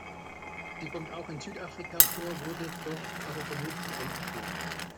Sie kommt auch in Südafrika vor, wurde dort aber vermutlich eingeschleppt.